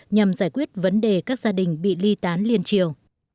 nhằm giải quyết vấn đề các gia đình bị ly tán liên triều